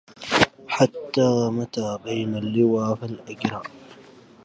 حتى متى بين اللوى فالأجرع